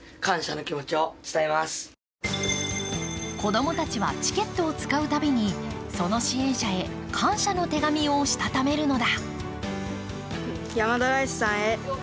子供たちはチケットを使うたびにその支援者へ感謝の手紙をしたためるのだ。